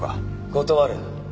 断る！